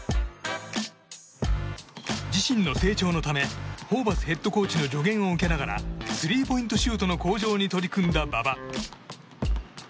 自身の成長のためホーバスヘッドコーチの助言を受けながらスリーポイントシュートの向上に取り組んだ馬場。